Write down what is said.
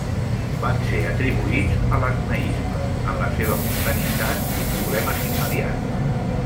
Van ser atribuïts a l'acmeisme en la seva mundanitat i problemes immediats.